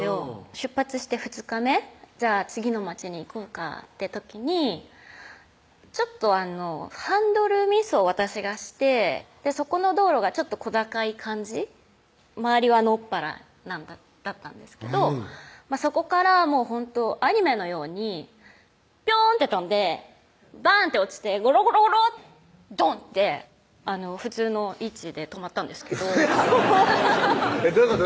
出発して２日目じゃあ次の街に行こうかって時にちょっとハンドルミスを私がしてそこの道路がちょっと小高い感じ周りは野っ原だったんですけどそこからほんとアニメのようにピョーンって飛んでバーンって落ちてゴロゴロゴロドン！って普通の位置で止まったんですけどどういうこと？